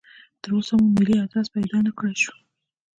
تراوسه مو ملي ادرس پیدا نکړای شو.